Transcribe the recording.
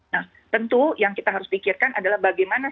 nah tentu yang kita harus pikirkan adalah bagaimana